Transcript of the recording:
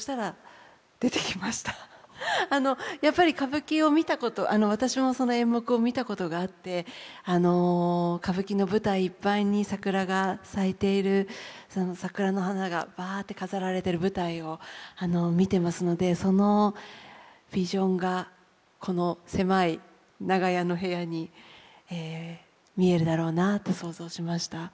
あの歌舞伎を見たこと私もその演目を見たことがあってあの歌舞伎の舞台いっぱいに桜が咲いている桜の花がバッて飾られてる舞台を見てますのでそのビジョンがこの狭い長屋の部屋に見えるだろうなと想像しました。